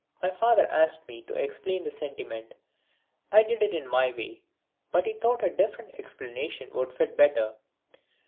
My father asked me to explain the sentiment. I did it in my way, but he thought a different explanation would fit better.